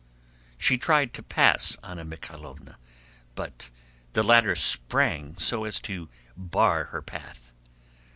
She tried to pass Anna Mikháylovna, but the latter sprang so as to bar her path.